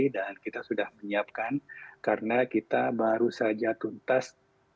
kita sudah menyiapkan karena kita baru saja tuntas